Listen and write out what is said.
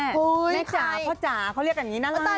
แม่จ๋าพ่อจ๋าเขาเรียกอย่างนี้นะ